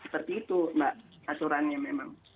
seperti itu mbak aturannya memang